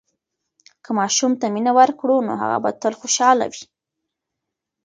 که ماشوم ته مینه ورکړو، نو هغه به تل خوشحاله وي.